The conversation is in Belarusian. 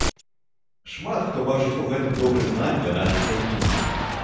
Шмат хто бачыць у гэтым добры знак для нашай краіны.